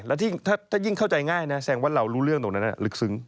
แล้วถ้ายิ่งเข้าใจง่ายนะแสดงว่าเรารู้เรื่องตรงนั้นลึกซึ้ง